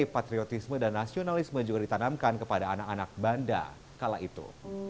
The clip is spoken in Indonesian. patriotisme dan nasionalisme juga ditanamkan kepada anak anak banda kala itu